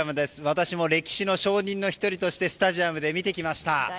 私も歴史の証人の１人としてスタジアムで見てきました。